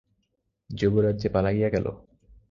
যুবরাজ যে পালাইয়া গেল!